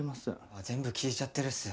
あっ全部聞いちゃってるっす。